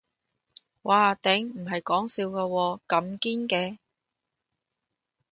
嘩頂，唔係講笑㗎喎，咁堅嘅